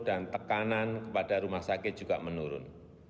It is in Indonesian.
dan tekanan kepada rumah sakit juga menurun